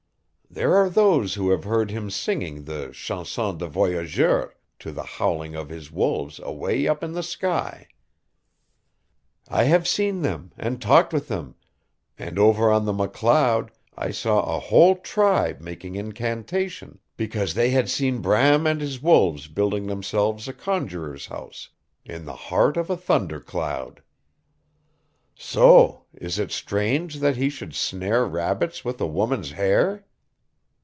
There are those who have heard him singing the Chanson de Voyageur to the howling of his wolves away up in the sky. I have seen them, and talked with them, and over on the McLeod I saw a whole tribe making incantation because they had seen Bram and his wolves building themselves a conjuror's house in the heart of a thunder cloud. So is it strange that he should snare rabbits with, a woman's hair?"